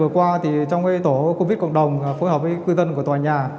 vừa qua thì trong cái tổ covid cộng đồng phối hợp với cư dân của tòa nhà